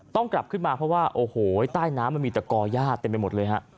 กลับขึ้นมาเพราะว่าโอ้โหใต้น้ำมันมีแต่ก่อย่าเต็มไปหมดเลยฮะ